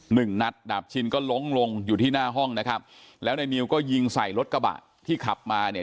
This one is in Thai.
หนึ่งนัดดาบชินก็ล้มลงอยู่ที่หน้าห้องนะครับแล้วในนิวก็ยิงใส่รถกระบะที่ขับมาเนี่ย